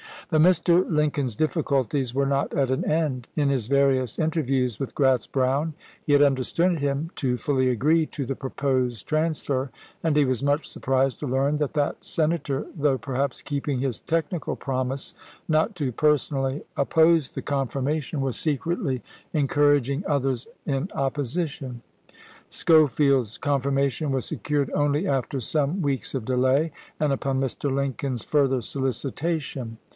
But Mr. Lincoln's difficulties were not at an end. In his various interviews \Yith Grratz Brown he had understood him to fully agi^ee to the proposed trans fer, and he was much surprised to learn that that Senator, though perhaps keeping his technical promise not to personally oppose the confirmation, was secretly encouraging others in opposition. Schofield's confirmation was secured only after some weeks of delay, and upon Mr. Lincoln's fur ther solicitation.